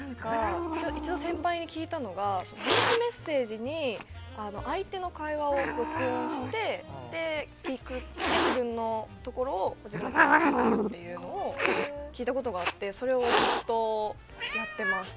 一応、一度先輩に聞いたのがボイスメッセージに相手の会話を録音して聞くそれで自分のせりふを話すと聞いたことがあってそれをずっとやってます。